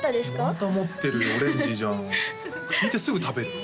また持ってるよオレンジじゃん聞いてすぐ食べるの？